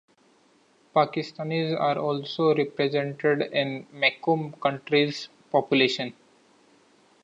Pakistanis are also represented in Macomb County's population.